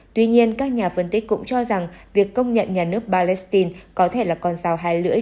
tuy nhiên các nhà phân tích cũng cho rằng việc công nhận nhà nước palestine có thể là con dao hai lưỡi